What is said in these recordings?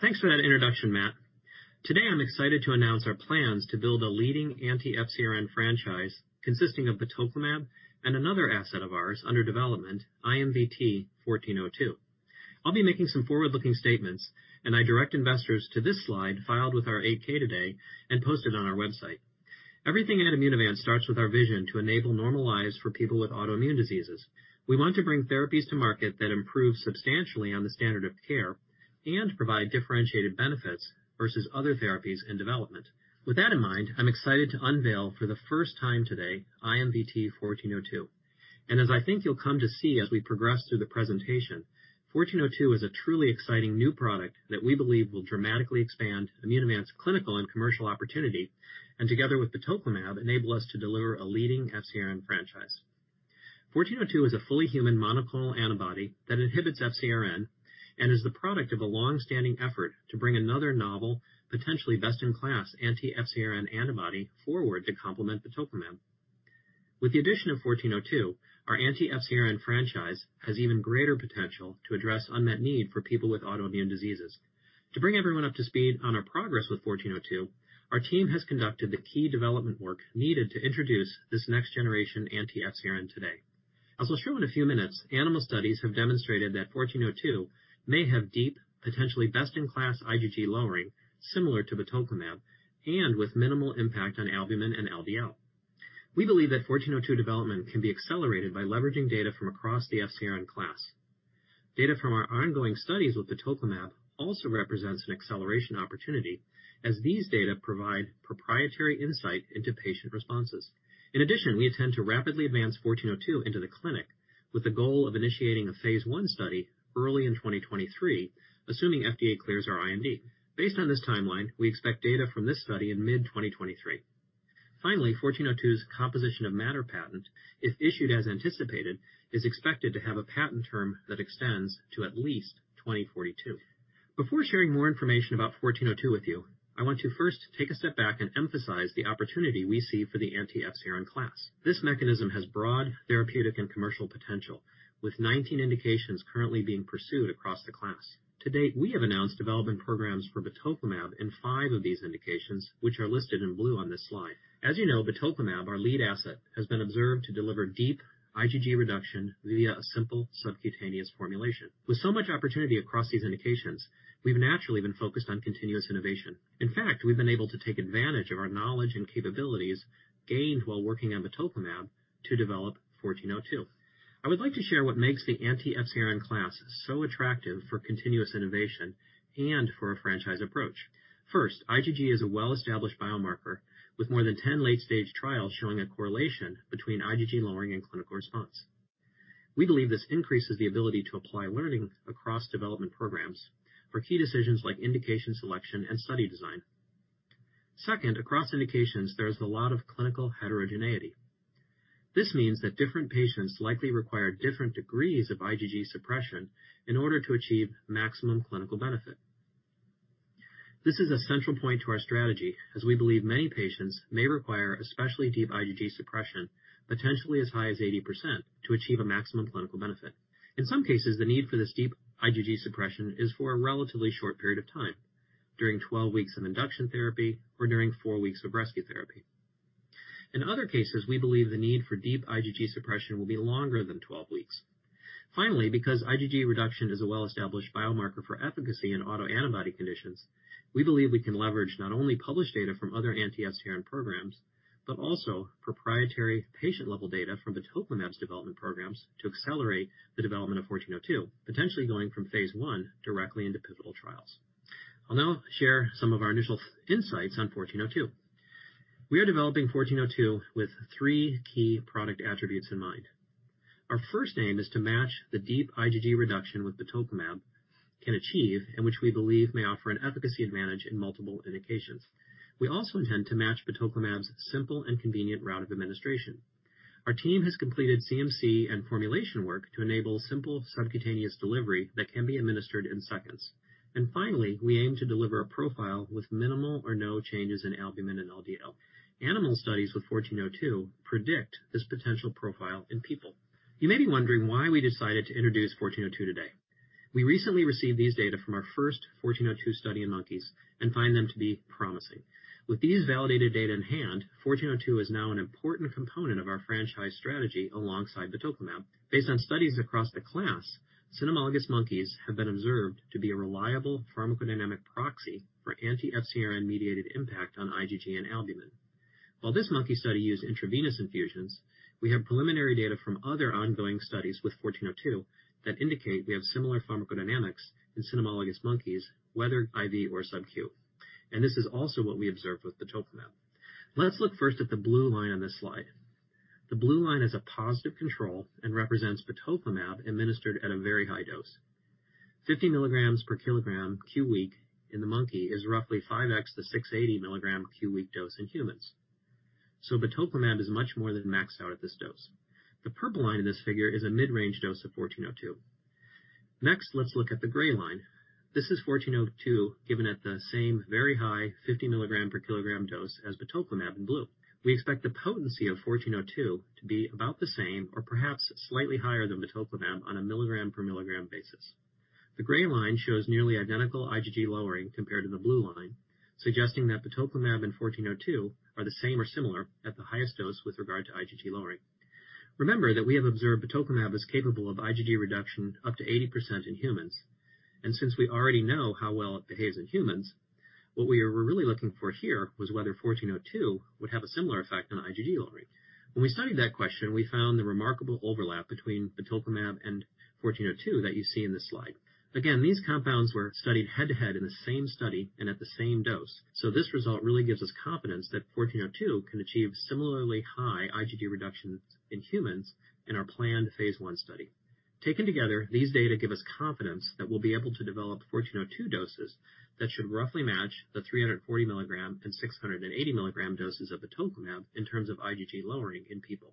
Thanks for that introduction, Matt. Today I'm excited to announce our plans to build a leading anti-FcRn franchise consisting of batoclimab and another asset of ours under development, IMVT-1402. I'll be making some forward-looking statements, and I direct investors to this slide filed with our 8-K today and posted on our website. Everything at Immunovant starts with our vision to enable normal lives for people with autoimmune diseases. We want to bring therapies to market that improve substantially on the standard of care and provide differentiated benefits versus other therapies in development. With that in mind, I'm excited to unveil for the first time today IMVT-1402. As I think you'll come to see as we progress through the presentation, IMVT-1402 is a truly exciting new product that we believe will dramatically expand Immunovant's clinical and commercial opportunity, and together with batoclimab, enable us to deliver a leading FcRn franchise. IMVT-1402 is a fully human monoclonal antibody that inhibits FcRn and is the product of a long-standing effort to bring another novel, potentially best-in-class anti-FcRn antibody forward to complement batoclimab. With the addition of IMVT-1402, our anti-FcRn franchise has even greater potential to address unmet need for people with autoimmune diseases. To bring everyone up to speed on our progress with IMVT-1402, our team has conducted the key development work needed to introduce this next generation anti-FcRn today. As I'll show in a few minutes, animal studies have demonstrated that IMVT-1402 may have deep, potentially best-in-class IgG lowering similar to batoclimab and with minimal impact on albumin and LDL. We believe that IMVT-1402 development can be accelerated by leveraging data from across the FcRn class. Data from our ongoing studies with batoclimab also represents an acceleration opportunity as these data provide proprietary insight into patient responses. In addition, we intend to rapidly advance IMVT-1402 into the clinic with the goal of initiating a phase I study early in 2023, assuming FDA clears our IND. Based on this timeline, we expect data from this study in mid-2023. Finally, IMVT-1402's composition of matter patent, if issued as anticipated, is expected to have a patent term that extends to at least 2042. Before sharing more information about IMVT-1402 with you, I want to first take a step back and emphasize the opportunity we see for the anti-FcRn class. This mechanism has broad therapeutic and commercial potential, with 19 indications currently being pursued across the class. To date, we have announced development programs for batoclimab in five of these indications, which are listed in blue on this slide. As you know, batoclimab, our lead asset, has been observed to deliver deep IgG reduction via a simple subcutaneous formulation. With so much opportunity across these indications, we've naturally been focused on continuous innovation. In fact, we've been able to take advantage of our knowledge and capabilities gained while working on batoclimab to develop IMVT-1402. I would like to share what makes the anti-FcRn class so attractive for continuous innovation and for a franchise approach. First, IgG is a well-established biomarker with more than 10 late stage trials showing a correlation between IgG lowering and clinical response. We believe this increases the ability to apply learning across development programs for key decisions like indication, selection, and study design. Second, across indications, there is a lot of clinical heterogeneity. This means that different patients likely require different degrees of IgG suppression in order to achieve maximum clinical benefit. This is a central point to our strategy, as we believe many patients may require especially deep IgG suppression, potentially as high as 80% to achieve a maximum clinical benefit. In some cases, the need for this deep IgG suppression is for a relatively short period of time, during 12 weeks of induction therapy or during 4 weeks of rescue therapy. In other cases, we believe the need for deep IgG suppression will be longer than 12 weeks. Finally, because IgG reduction is a well-established biomarker for efficacy in autoantibody conditions, we believe we can leverage not only published data from other anti-FcRn programs, but also proprietary patient-level data from batoclimab's development programs to accelerate the development of IMVT-1402, potentially going from phase I directly into pivotal trials. I'll now share some of our initial insights on IMVT-1402. We are developing IMVT-1402 with three key product attributes in mind. Our first aim is to match the deep IgG reduction with batoclimab can achieve and which we believe may offer an efficacy advantage in multiple indications. We also intend to match batoclimab's simple and convenient route of administration. Our team has completed CMC and formulation work to enable simple subcutaneous delivery that can be administered in seconds. Finally, we aim to deliver a profile with minimal or no changes in albumin and LDL. Animal studies with IMVT-1402 predict this potential profile in people. You may be wondering why we decided to introduce IMVT-1402 today. We recently received these data from our first IMVT-1402 study in monkeys and find them to be promising. With these validated data in hand, IMVT-1402 is now an important component of our franchise strategy alongside batoclimab. Based on studies across the class, cynomolgus monkeys have been observed to be a reliable pharmacodynamic proxy for anti-FcRn mediated impact on IgG and albumin. While this monkey study used intravenous infusions, we have preliminary data from other ongoing studies with IMVT-1402 that indicate we have similar pharmacodynamics in cynomolgus monkeys, whether IV or subQ. This is also what we observed with batoclimab. Let's look first at the blue line on this slide. The blue line is a positive control and represents batoclimab administered at a very high dose. 50 mg/kg Q-week in the monkey is roughly 5x the 680 mg Q-week dose in humans. Batoclimab is much more than maxed out at this dose. The purple line in this figure is a mid-range dose of IMVT-1402. Next, let's look at the gray line. This is IMVT-1402. Given at the same very high 50 mg/kg dose as batoclimab in blue. We expect the potency of IMVT-1402 to be about the same or perhaps slightly higher than batoclimab on a milligram per milligram basis. The gray line shows nearly identical IgG lowering compared to the blue line, suggesting that batoclimab and IMVT-1402 are the same or similar at the highest dose with regard to IgG lowering. Remember that we have observed batoclimab as capable of IgG reduction up to 80% in humans, and since we already know how well it behaves in humans, what we were really looking for here was whether IMVT-1402 would have a similar effect on IgG lowering. When we studied that question, we found the remarkable overlap between batoclimab and IMVT-1402 that you see in this slide. Again, these compounds were studied head to head in the same study and at the same dose. This result really gives us confidence that IMVT-1402 can achieve similarly high IgG reductions in humans in our planned phase I study. Taken together, these data give us confidence that we'll be able to develop IMVT-1402 doses that should roughly match the 340 mg and 680 mg doses of batoclimab in terms of IgG lowering in people.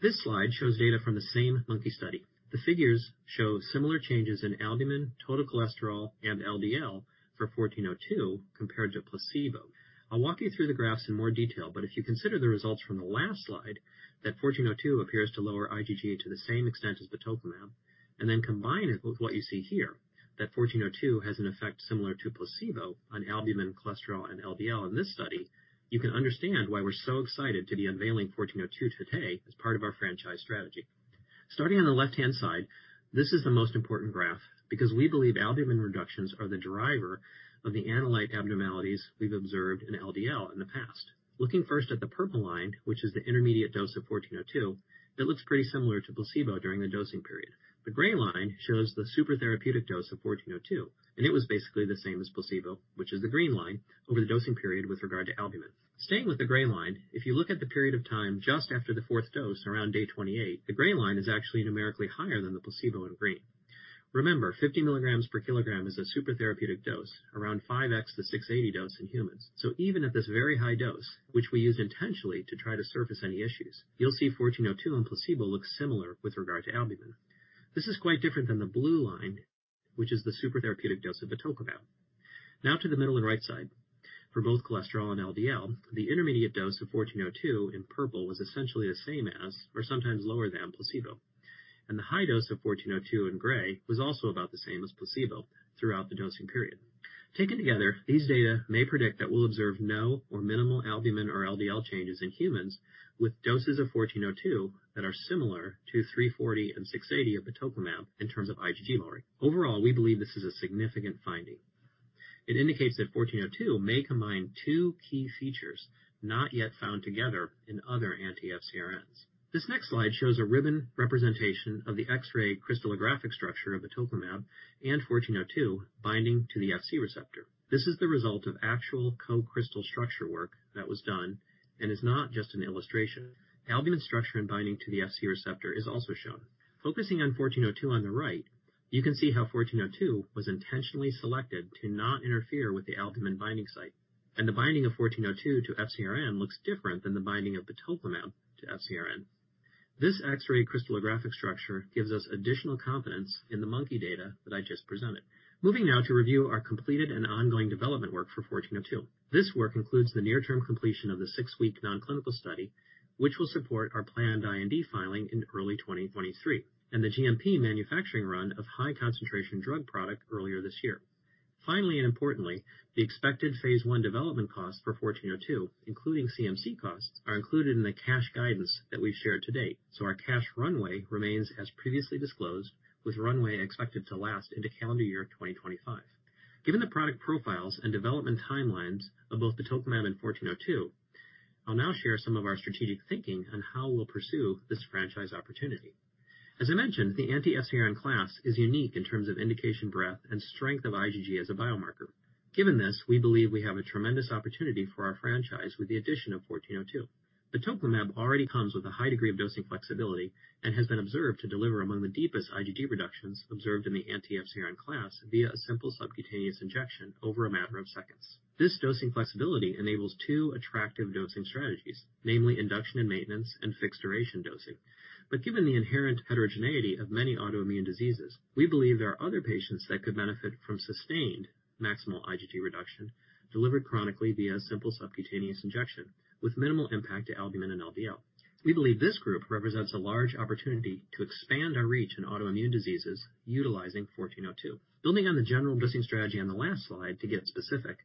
This slide shows data from the same monkey study. The figures show similar changes in albumin, total cholesterol, and LDL for IMVT-1402 compared to placebo. I'll walk you through the graphs in more detail, but if you consider the results from the last slide, that IMVT-1402 appears to lower IgG to the same extent as batoclimab, and then combine it with what you see here, that IMVT-1402 has an effect similar to placebo on albumin, cholesterol, and LDL in this study, you can understand why we're so excited to be unveiling IMVT-1402 today as part of our franchise strategy. Starting on the left-hand side, this is the most important graph because we believe albumin reductions are the driver of the analyte abnormalities we've observed in LDL in the past. Looking first at the purple line, which is the intermediate dose of IMVT-1402, that looks pretty similar to placebo during the dosing period. The gray line shows the super therapeutic dose of IMVT-1402, and it was basically the same as placebo, which is the green line over the dosing period with regard to albumin. Staying with the gray line, if you look at the period of time just after the fourth dose around day 28, the gray line is actually numerically higher than the placebo in green. Remember, 50 mg/kg is a super therapeutic dose around 5x the 680 dose in humans. So even at this very high dose, which we used intentionally to try to surface any issues, you'll see IMVT-1402 and placebo looks similar with regard to albumin. This is quite different than the blue line, which is the super therapeutic dose of batoclimab. Now to the middle and right side. For both cholesterol and LDL, the intermediate dose of IMVT-1402 in purple was essentially the same as or sometimes lower than placebo. The high dose of IMVT-1402 in gray was also about the same as placebo throughout the dosing period. Taken together, these data may predict that we'll observe no or minimal albumin or LDL changes in humans with doses of IMVT-1402 that are similar to 340 and 680 of batoclimab in terms of IgG lowering. Overall, we believe this is a significant finding. It indicates that IMVT-1402 may combine two key features not yet found together in other anti-FcRns. This next slide shows a ribbon representation of the X-ray crystallographic structure of batoclimab and IMVT-1402 binding to the FcRn. This is the result of actual co-crystal structure work that was done and is not just an illustration. Albumin structure and binding to the FcRn is also shown. Focusing on IMVT-1402 on the right, you can see how IMVT-1402 was intentionally selected to not interfere with the albumin binding site. The binding of IMVT-1402 to FcRn looks different than the binding of batoclimab to FcRn. This X-ray crystallographic structure gives us additional confidence in the monkey data that I just presented. Moving now to review our completed and ongoing development work for IMVT-1402. This work includes the near term completion of the 6-week non-clinical study, which will support our planned IND filing in early 2023, and the GMP manufacturing run of high concentration drug product earlier this year. Finally, and importantly, the expected phase 1 development costs for IMVT-1402, including CMC costs, are included in the cash guidance that we've shared to date. Our cash runway remains as previously disclosed, with runway expected to last into calendar year 2025. Given the product profiles and development timelines of both batoclimab and IMVT-1402, I'll now share some of our strategic thinking on how we'll pursue this franchise opportunity. As I mentioned, the anti-FcRn class is unique in terms of indication breadth and strength of IgG as a biomarker. Given this, we believe we have a tremendous opportunity for our franchise with the addition of IMVT-1402. Batoclimab already comes with a high degree of dosing flexibility and has been observed to deliver among the deepest IgG reductions observed in the anti-FcRn class via a simple subcutaneous injection over a matter of seconds. This dosing flexibility enables two attractive dosing strategies, namely induction and maintenance and fixed duration dosing. Given the inherent heterogeneity of many autoimmune diseases, we believe there are other patients that could benefit from sustained maximal IgG reduction delivered chronically via simple subcutaneous injection with minimal impact to albumin and LDL. We believe this group represents a large opportunity to expand our reach in autoimmune diseases utilizing IMVT-1402. Building on the general dosing strategy on the last slide to get specific,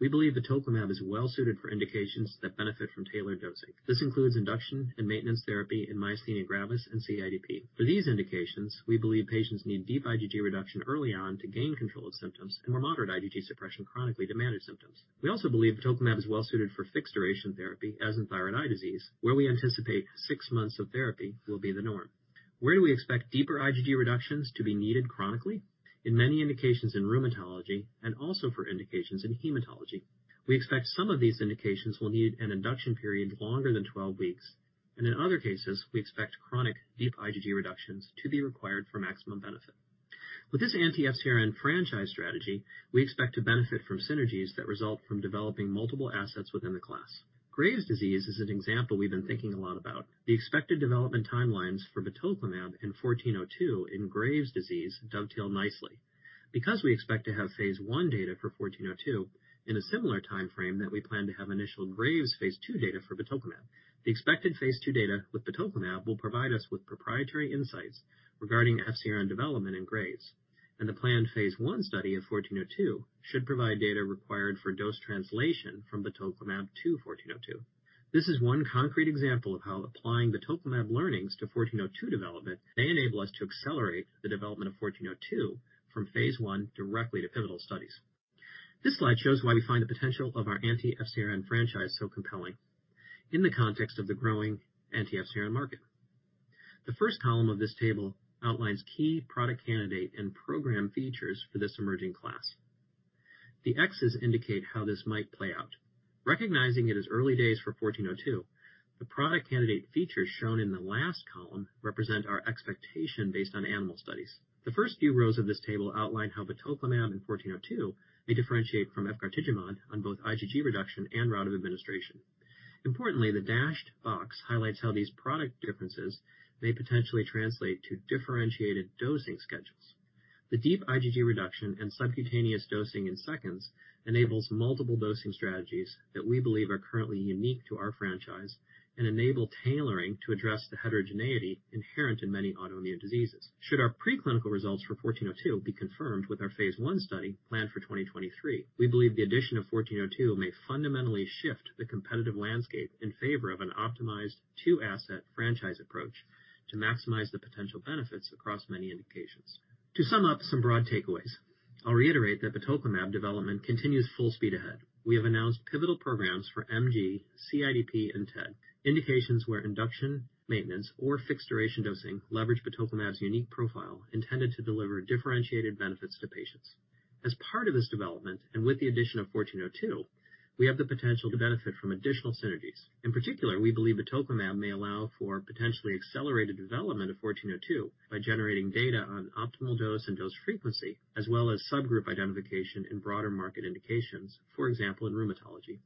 we believe batoclimab is well suited for indications that benefit from tailored dosing. This includes induction and maintenance therapy in myasthenia gravis and CIDP. For these indications, we believe patients need deep IgG reduction early on to gain control of symptoms and more moderate IgG suppression chronically to manage symptoms. We also believe batoclimab is well suited for fixed duration therapy, as in thyroid eye disease, where we anticipate 6 months of therapy will be the norm. Where do we expect deeper IgG reductions to be needed chronically? In many indications in rheumatology and also for indications in hematology. We expect some of these indications will need an induction period longer than 12 weeks, and in other cases, we expect chronic deep IgG reductions to be required for maximum benefit. With this anti-FcRn franchise strategy, we expect to benefit from synergies that result from developing multiple assets within the class. Graves' disease is an example we've been thinking a lot about. The expected development timelines for batoclimab and IMVT-1402 in Graves' disease dovetail nicely. Because we expect to have phase I data for IMVT-1402 in a similar timeframe that we plan to have initial Graves' phase II data for batoclimab. The expected phase II data with batoclimab will provide us with proprietary insights regarding FcRn development in Graves', and the planned phase I study of IMVT-1402 should provide data required for dose translation from batoclimab to IMVT-1402. This is one concrete example of how applying batoclimab learnings to IMVT-1402 development may enable us to accelerate the development of IMVT-1402 from phase I directly to pivotal studies. This slide shows why we find the potential of our anti-FcRn franchise so compelling in the context of the growing anti-FcRn market. The first column of this table outlines key product candidate and program features for this emerging class. The X's indicate how this might play out. Recognizing it is early days for IMVT-1402, the product candidate features shown in the last column represent our expectation based on animal studies. The first few rows of this table outline how batoclimab and IMVT-1402 may differentiate from efgartigimod on both IgG reduction and route of administration. Importantly, the dashed box highlights how these product differences may potentially translate to differentiated dosing schedules. The deep IgG reduction and subcutaneous dosing in seconds enables multiple dosing strategies that we believe are currently unique to our franchise and enable tailoring to address the heterogeneity inherent in many autoimmune diseases. Should our preclinical results for IMVT-1402 be confirmed with our phase I study planned for 2023, we believe the addition of IMVT-1402 may fundamentally shift the competitive landscape in favor of an optimized two-asset franchise approach to maximize the potential benefits across many indications. To sum up some broad takeaways, I'll reiterate that batoclimab development continues full speed ahead. We have announced pivotal programs for MG, CIDP, and TED, indications where induction, maintenance, or fixed duration dosing leverage batoclimab's unique profile intended to deliver differentiated benefits to patients. As part of this development, and with the addition of IMVT-1402, we have the potential to benefit from additional synergies. In particular, we believe batoclimab may allow for potentially accelerated development of IMVT-1402 by generating data on optimal dose and dose frequency, as well as subgroup identification in broader market indications. For example, in rheumatology.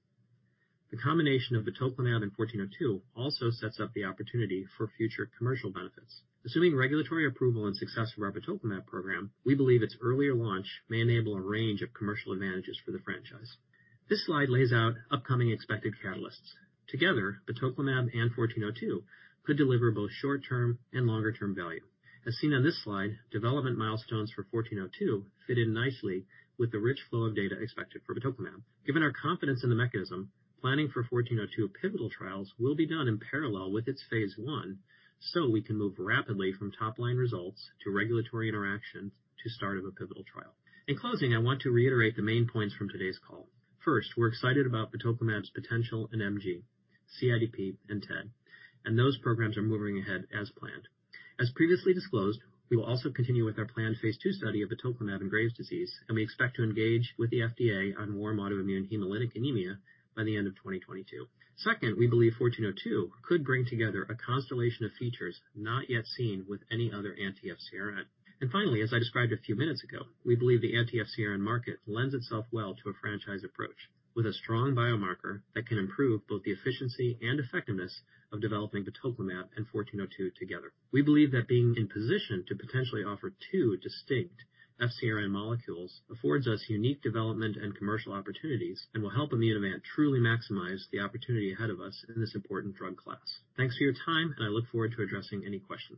The combination of batoclimab and IMVT-1402 also sets up the opportunity for future commercial benefits. Assuming regulatory approval and success of our batoclimab program, we believe its earlier launch may enable a range of commercial advantages for the franchise. This slide lays out upcoming expected catalysts. Together, batoclimab and IMVT-1402 could deliver both short-term and longer-term value. As seen on this slide, development milestones for IMVT-1402 fit in nicely with the rich flow of data expected for batoclimab. Given our confidence in the mechanism, planning for IMVT-1402 pivotal trials will be done in parallel with its phase I, so we can move rapidly from top-line results to regulatory interactions to start of a pivotal trial. In closing, I want to reiterate the main points from today's call. First, we're excited about batoclimab's potential in MG, CIDP, and TED, and those programs are moving ahead as planned. As previously disclosed, we will also continue with our planned phase II study of batoclimab in Graves' disease, and we expect to engage with the FDA on warm autoimmune hemolytic anemia by the end of 2022. Second, we believe IMVT-1402 could bring together a constellation of features not yet seen with any other anti-FcRn. Finally, as I described a few minutes ago, we believe the anti-FcRn market lends itself well to a franchise approach with a strong biomarker that can improve both the efficiency and effectiveness of developing batoclimab and IMVT-1402 together. We believe that being in position to potentially offer two distinct FcRn molecules affords us unique development and commercial opportunities and will help Immunovant truly maximize the opportunity ahead of us in this important drug class. Thanks for your time, and I look forward to addressing any questions.